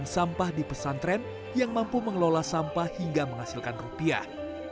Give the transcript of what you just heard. sampah di pesantren yang mampu mengelola sampah hingga menghasilkan rupiah